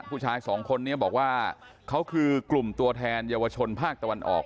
ผู้ชายสองคนนี้บอกว่าเขาคือกลุ่มตัวแทนเยาวชนภาคตะวันออก